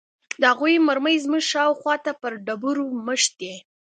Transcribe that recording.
د هغوى مرمۍ زموږ شاوخوا ته پر ډبرو مښتې.